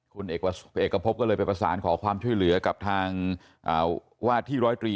คุณเอกพบก็เลยไปประสานขอความช่วยเหลือกับทางวาดที่ร้อยตรี